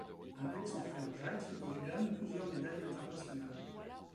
Avec son frère Jacques, il glane plusieurs médailles internationales.